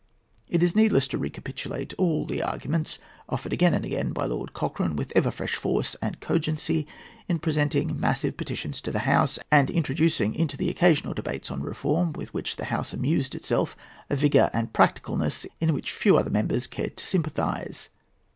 It is needless to recapitulate all the arguments offered again and again by Lord Cochrane, with ever fresh force and cogency, in presenting massive petitions to the House, and in introducing into the occasional debates on reform with which the House amused itself a vigour and practicalness in which few other members cared to sympathize.